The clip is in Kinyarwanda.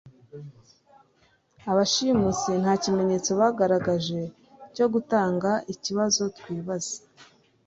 Abashimusi nta kimenyetso bagaragaje cyo gutanga ikibazo twibaza